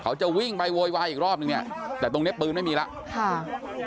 เขาจะวิ่งไปโวยวายอีกรอบนึงเนี่ยแต่ตรงเนี้ยปืนไม่มีแล้วค่ะ